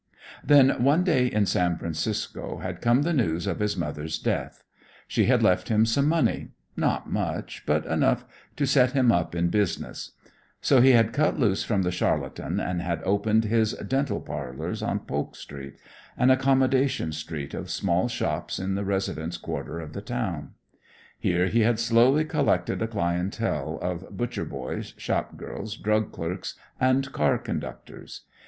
"Then one day at San Francisco had come the news of his mother's death; she had left him some money not much, but enough to set him up in business; so he had cut loose from the charlatan and had opened his 'Dental Parlors' on Polk street, an 'accommodation street' of small shops in the residence quarter of the town. Here he had slowly collected a clientele of butcher boys, shop girls, drug clerks and car conductors.